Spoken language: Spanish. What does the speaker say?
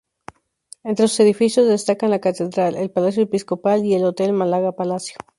Entre sus edificios destacan la Catedral, el Palacio Episcopal y el Hotel Málaga Palacio.